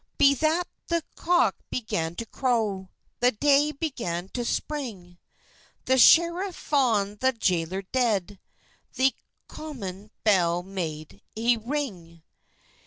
Be that the cok began to crow, The day began to sprynge, The scheref fond the jaylier ded, The comyn belle made he rynge.